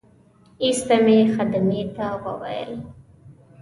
ایسته مې خدمې ته وویل.